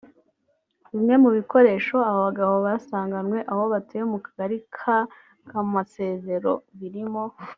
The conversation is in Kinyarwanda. Bimwe mu bikoresho aba bagabo basanganywe aho batuye mu kagari ka Kamusezero birimo